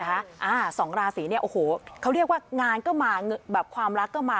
อ่าสองราศีเนี่ยโอ้โหเขาเรียกว่างานก็มาแบบความรักก็มา